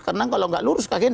karena kalau nggak lurus kakinya